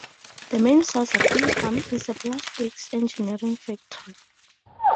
The main source of income is a plastics engineering factory.